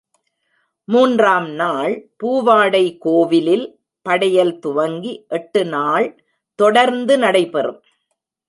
மூன்றாம் நாள் பூவாடை கோவிலில் படையல் துவங்கி எட்டு நாள் தொடர்ந்து நடைபெறும்.